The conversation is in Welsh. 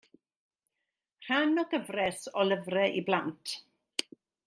Rhan o gyfres o lyfrau i blant.